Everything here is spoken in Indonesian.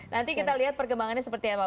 nanti kita lihat perkembangannya seperti apa